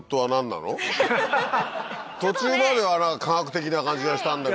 途中までは科学的な感じがしたんだけど。